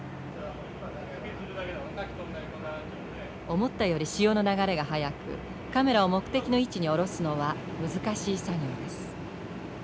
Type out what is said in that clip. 思ったより潮の流れが速くカメラを目的の位置に下ろすのは難しい作業です。